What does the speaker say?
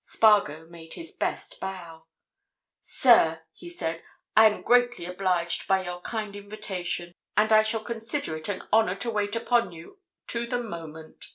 Spargo made his best bow. "Sir," he said, "I am greatly obliged by your kind invitation, and I shall consider it an honour to wait upon you to the moment."